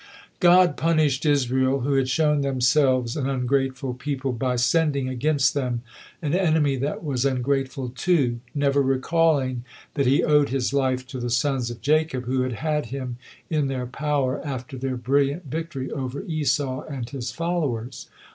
God punished Israel, who had shown themselves an ungrateful people, by sending against them an enemy that was ungrateful, too, never recalling that he owed his life to the sons of Jacob, who had had him in their power after their brilliant victory over Esau and his followers.